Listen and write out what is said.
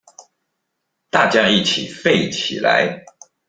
大家一起廢起來